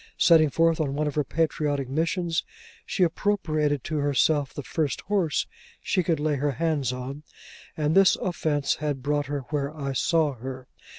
Setting forth on one of her patriotic missions, she appropriated to herself the first horse she could lay her hands on; and this offence had brought her where I saw her.